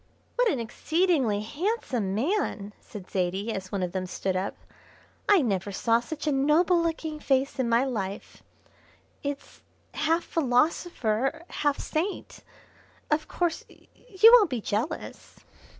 "What an exceedingly handsome man!" said Zaidie, as one of them stood up. "I never saw such a noble looking face in my life; it's half philosopher, half saint. Of course, you won't be jealous?"